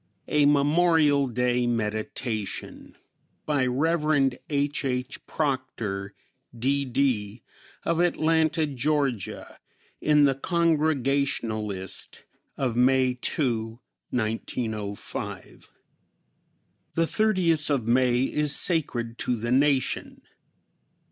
A MEMORIAL DAY MEDITATION. By Rev. H. H. Proctor, D.D., of Atlanta, Ga., in The Congregationalist of May 2, 1905. "The thirtieth of May is sacred to the nation.